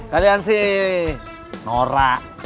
kalian sih nora